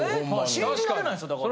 信じられないんですよだから。